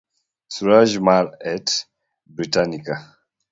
Suraj Mal at "Britannica"